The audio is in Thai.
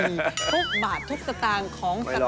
ทุกบาททุกจัดต่างของจันแปลนละจัง